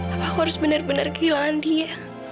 apakah aku harus benar benar kehilangan dia